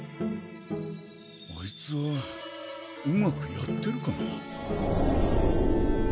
あいつはうまくやってるかな？